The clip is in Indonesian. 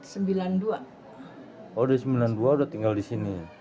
sudah sembilan puluh dua sudah tinggal di sini